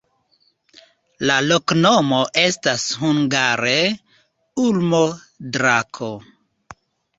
La loknomo estas hungare: ulmo-drako.